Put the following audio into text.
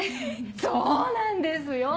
そうなんですよ！